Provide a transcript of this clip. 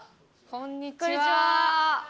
こんにちは。